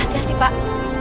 apa hadiahnya pak